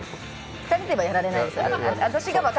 ２人でやられないんですか？